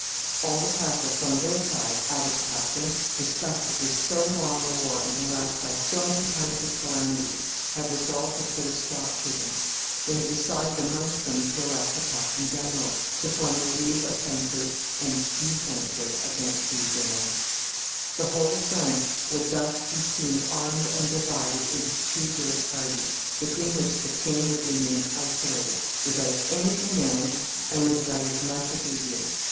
All the Catholics, on their side," added Catherine, "disgusted with so long a war and harassed by so many kinds of calamities, have resolved to put a stop to them; they have decided amongst them to elect a captain general, to form a league offensive and defensive against the Huguenots. The whole of France would thus be seen armed and divided into two great parties, between which the king would remain isolated, without any command and with about as much obedience.